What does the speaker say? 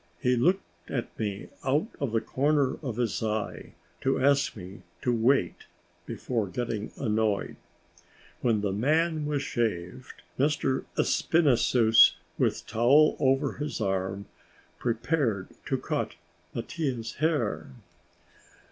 He looked at me out of the corner of his eye, to ask me to wait before getting annoyed. When the man was shaved, M. Espinassous, with towel over his arm, prepared to cut Mattia's hair.